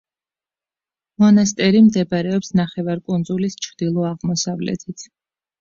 მონასტერი მდებარეობს ნახევარკუნძულის ჩრდილო-აღმოსავლეთით.